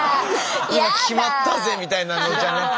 「今決まったぜ」みたいなのじゃなくて。